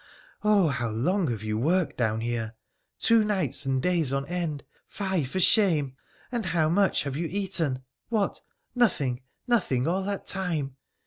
' Oh ! how long have you worked down here ? Two nights and days on end. Fie, for shame ! And how much have you eaten ? What ? Nothing, nothing all that time